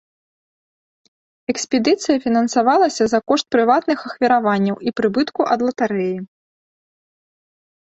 Экспедыцыя фінансавалася за кошт прыватных ахвяраванняў і прыбытку ад латарэі.